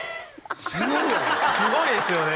すごいですよね